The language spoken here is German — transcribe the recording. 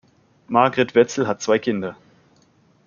Margrit Wetzel hat zwei Kinder.